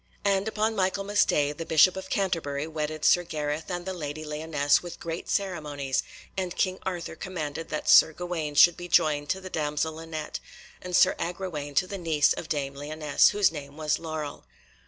And upon Michaelmas Day the Bishop of Canterbury wedded Sir Gareth and the Lady Lyonesse with great ceremonies, and King Arthur commanded that Sir Gawaine should be joined to the damsel Linet, and Sir Agrawaine to the niece of dame Lyonesse, whose name was Laurel.